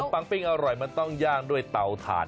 ปังปิ้งอร่อยมันต้องย่างด้วยเตาถ่าน